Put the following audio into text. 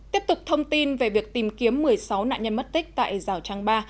tiếp tục thông tin về việc tìm kiếm một mươi sáu nạn nhân mất tích tại giào trăng ba